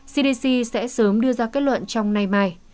cdc sẽ sớm đưa ra kết luận trong nay mai